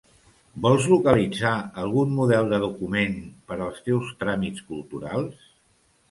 Vols localitzar algun model de document per als teus tràmits culturals?